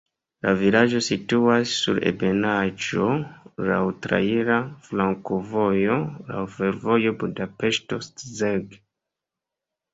La vilaĝo situas sur ebenaĵo, laŭ traira flankovojo, laŭ fervojo Budapeŝto-Szeged.